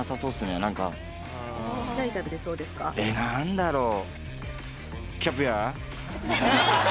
何だろう。